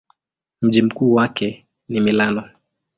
Mji mkuu wake ni Milano.